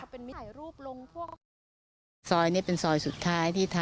ก็เลยกลายเป็นอยู่กลาง